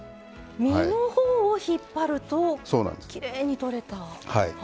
身のほうを引っ張るときれいにとれた。